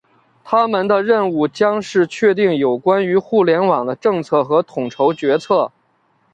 他们的任务将是确定有关于互联网的政策和统筹决策。